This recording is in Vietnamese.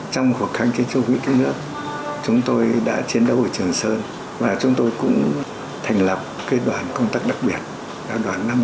trong cuộc kháng chiến chống quỹ tiếng nước chúng tôi đã chiến đấu ở trường sơn và chúng tôi cũng thành lập cái đoàn công tác đặc biệt đoàn năm trăm năm mươi chín